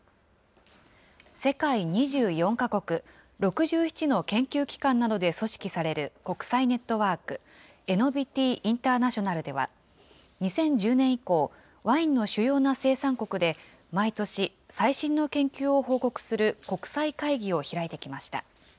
世界２４か国、６７の研究機関などで組織される国際ネットワーク、エノビティ・インターナショナルでは、２０１０年以降、ワインの主要な生産国で、毎年、最新の研究を報告する国際会議を開いてきました。